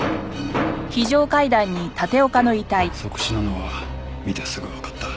即死なのは見てすぐわかった。